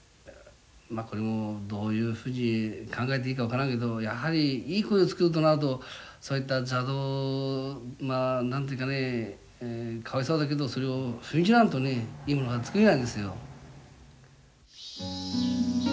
まあこれもどういうふうに考えていいか分からんけどやはりいい鯉を作るとなるとそういったまあ何と言うかねかわいそうだけどそれを踏み切らんとねいいものは作れないですよ。